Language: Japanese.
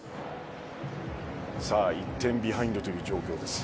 １点ビハインドという状況です。